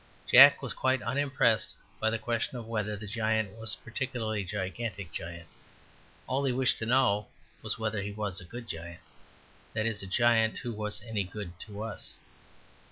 Jack was quite unimpressed by the question of whether the giant was a particularly gigantic giant. All he wished to know was whether he was a good giant that is, a giant who was any good to us.